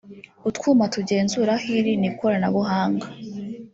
utwuma tugenzura aho iri n’ ikoranabuhanga